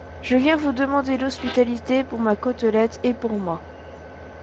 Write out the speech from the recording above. Je viens vous demander l’hospitalité pour ma côtelette et pour moi…